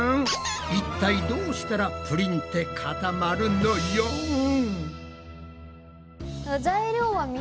いったいどうしたらプリンって固まるのよん？